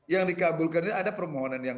yang dikabulkan ini ada permohonan yang